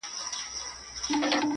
ورته راغی چي طبیب چا ورښودلی-